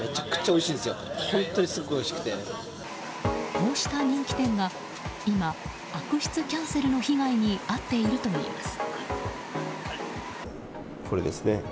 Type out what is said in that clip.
こうした人気店が今、悪質キャンセルの被害に遭っているといいます。